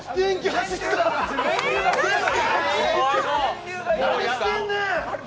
何してんねん！